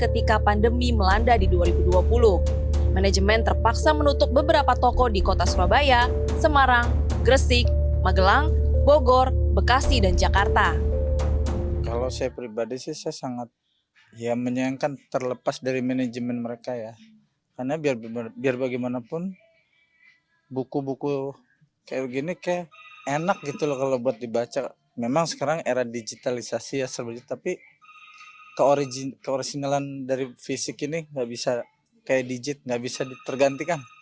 tapi keorisinalan dari fisik ini nggak bisa kayak digit nggak bisa ditergantikan